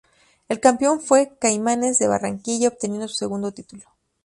El campeón fue Caimanes de Barranquilla obteniendo su segundo titulo.